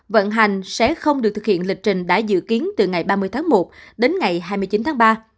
vận hành sẽ không được thực hiện lịch trình đã dự kiến từ ngày ba mươi tháng một đến ngày hai mươi chín tháng ba